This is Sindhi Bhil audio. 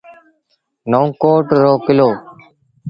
نئون ڪوٽ رو ڪلو۔